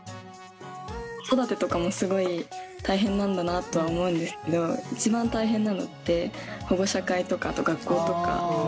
子育てとかもすごい大変なんだなとは思うんですけど一番大変なのって保護者会とかあと学校とか。